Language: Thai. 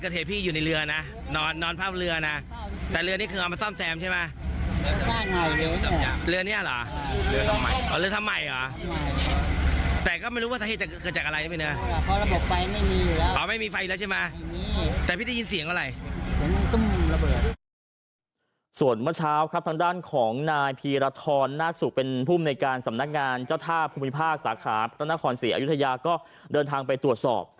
ส่วนเมื่อเช้าครับทางด้านของนายพีรทรนาคสุกเป็นภูมิในการสำนักงานเจ้าท่าภูมิภาคสาขาพระนครศรีอยุธยาก็เดินทางไปตรวจสอบ